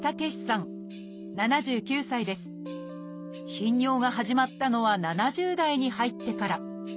頻尿が始まったのは７０代に入ってから。